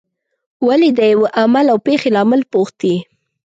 ولې د یوه عمل او پېښې لامل پوښتي.